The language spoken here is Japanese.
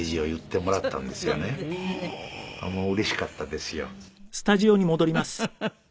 「もううれしかったですよ」